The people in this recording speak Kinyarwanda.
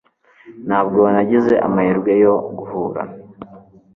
ntabwo uwo nagize amahirwe yo guhura